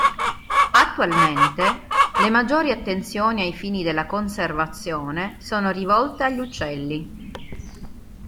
Attualmente le maggiori attenzioni ai fini della conservazione sono rivolte agli uccelli.